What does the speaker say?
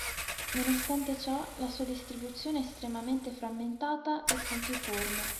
Nonostante ciò la sua distribuzione è estremamente frammentata e puntiforme.